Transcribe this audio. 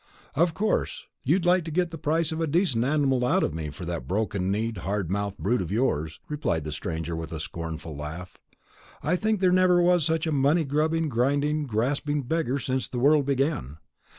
"Of course. You'd like to get the price of a decent animal out of me for that broken kneed hard mouthed brute of yours," replied the stranger with a scornful laugh. "I think there never was such a money grubbing, grinding, grasping beggar since the world began.